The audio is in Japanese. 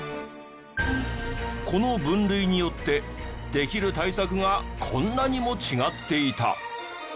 この分類によってできる対策がこんなにも違っていた！